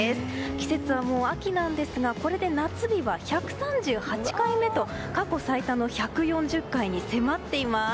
季節はもう秋なんですがこれで夏日は１３８回目と過去最多の１４０回に迫っています。